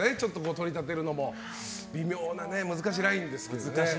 取り立てるのも微妙な難しいラインですけどね。